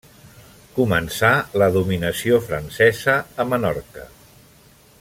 Començà la dominació francesa a Menorca.